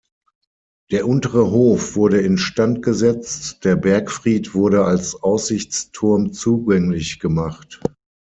Der untere Hof wurde instand gesetzt, der Bergfried wurde als Aussichtsturm zugänglich gemacht.